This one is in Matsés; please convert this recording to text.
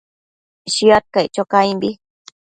Shiad caic cho caimbi